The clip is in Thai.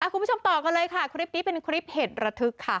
คุณผู้ชมต่อกันเลยค่ะคลิปนี้เป็นคลิปเหตุระทึกค่ะ